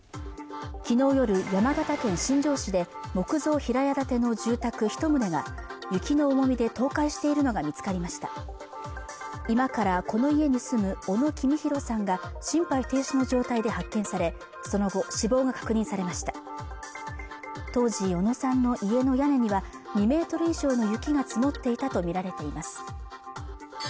昨日夜、山形県新庄市で木造平屋建ての住宅一棟が雪の重みで倒壊しているのが見つかりました居間からこの家に住む小野公宏さんが心肺停止の状態で発見されその後死亡が確認されました当時、小野さんの家の屋根には２Ｍ以上の雪が積もっていたと見られています